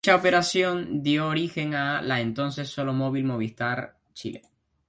Dicha operación dio origen a la entonces solo móvil Movistar Chile.